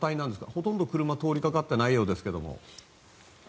ほとんど車が通りかかっていないようですが。